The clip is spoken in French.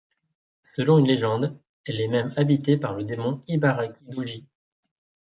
Selon une légende, elle est même habitée par le démon Ibaraki Dōji.